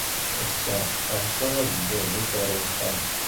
Ass-a, ɣseɣ ad dduɣ zik ɣer uxxam.